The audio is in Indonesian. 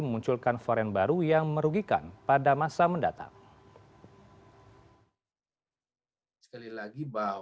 memunculkan varen baru yang merugikan pada masa mendatang